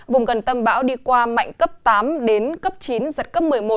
vùng gần tâm bão đi qua mạnh cấp tám đến cấp chín giật cấp một mươi một